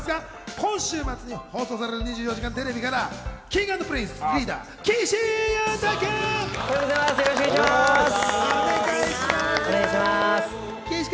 今週末に放送される『２４時間テレビ』からＫｉｎｇ＆Ｐｒｉｎｃｅのリーダー、岸優太君。